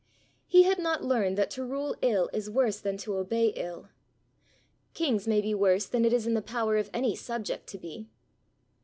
He had not learned that to rule ill is worse than to obey ill. Kings may be worse than it is in the power of any subject to be.